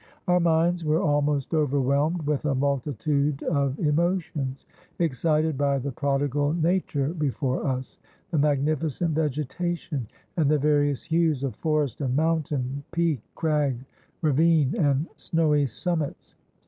Our minds were almost overwhelmed with a multitude of emotions, excited by the prodigal nature before us, the magnificent vegetation, and the various hues of forest and mountain, peak, crag, ravine, and snowy summits.